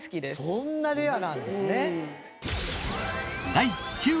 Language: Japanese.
そんなレアなんですね。